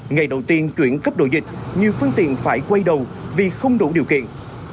ngày đầu tiên chuyển cấp độ dịch nhiều phương tiện phải quay đầu vì không đủ điều kiện